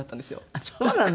あっそうなの？